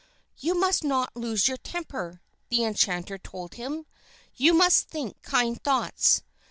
"You must not lose your temper," the enchanter told him. "You must think kind thoughts.